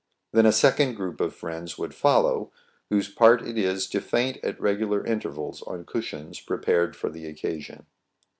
Then a second group of friends would follow, whose part it is to faint at regular intervals on cushions prepared for the occasion.